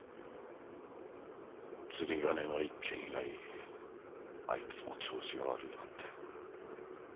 釣り鐘の一件以来あいつも調子が悪うなって。